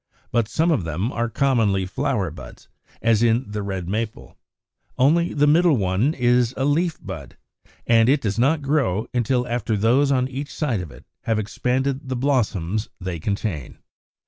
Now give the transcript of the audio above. But some of them are commonly flower buds: in the Red Maple, only the middle one is a leaf bud, and it does not grow until after those on each side of it have expanded the blossoms they contain.